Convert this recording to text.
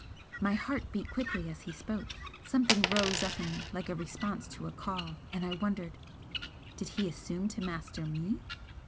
My heart beat quickly as he spoke; something rose up in me like a response to a call, and I wondered Did he assume to master ME?